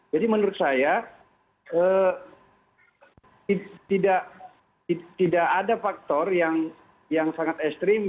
jadi menurut saya tidak ada faktor yang sangat esrim